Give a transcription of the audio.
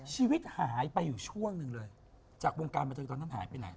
ชีวิตหายไปอยู่ช่วงหนึ่งเลยจากวงการบันเทิงตอนนั้นหายไปไหน